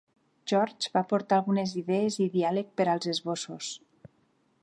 George va aportar algunes idees i diàleg per als esbossos.